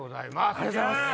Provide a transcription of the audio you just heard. ありがとうございます。